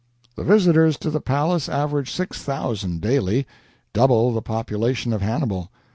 The visitors to the Palace average 6,000 daily double the population of Hannibal.